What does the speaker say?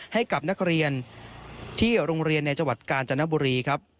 ให้กับที่โรงเรียนในจวาตรกาญจณะบุรีครับ